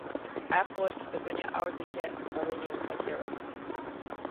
Achomhairc i gcoinne orduithe a rinneadh ar ghearán.